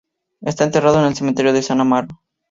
Está enterrado en el cementerio de San Amaro.